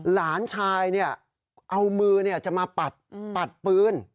หลานชายเอามือจะมาปัดปืน